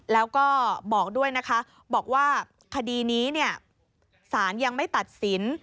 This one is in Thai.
แล้วก็บอกด้วยนะคะบอกว่าคดีนี้สารยังไม่ตัดสิน